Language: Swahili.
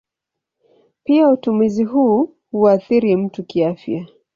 Pia utumizi huu huathiri mtu kiafya.